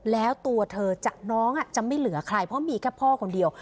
แล้วตัวเธอน้องจะไม่เหลือใครเพราะมีแค่พ่อคนเดียว